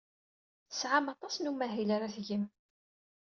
Tesɛam aṭas n umahil ara tgem.